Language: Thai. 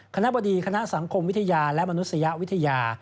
คณะบดีคณะสังคมวิทยาและมนุษยวิทยา